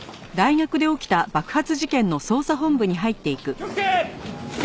気をつけ！